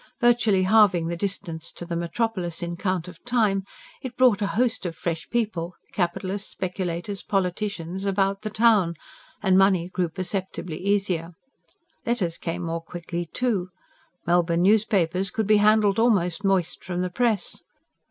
Virtually halving the distance to the metropolis in count of time, it brought a host of fresh people capitalists, speculators, politicians about the town, and money grew perceptibly easier. Letters came more quickly, too; Melbourne newspapers could be handled almost moist from the press.